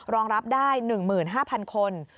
รองรับได้๑๕๐๐คน